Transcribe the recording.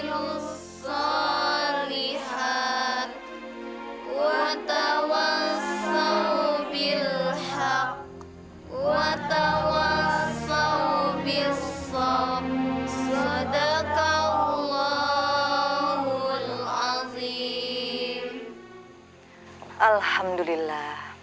gusti allah telah memberikan hidayah kepada nyiwara dan jaria